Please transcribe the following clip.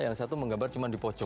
yang satu menggambar cuma di poco